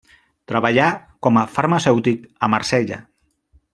Treballà com a farmacèutic a Marsella.